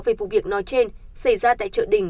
về vụ việc nói trên xảy ra tại chợ đình